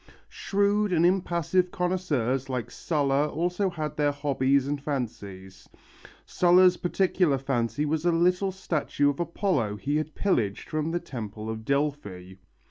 Shrewd and impassive connoisseurs like Sulla also had their hobbies and fancies. Sulla's particular fancy was a little statue of Apollo he had pillaged from the temple of Delphi.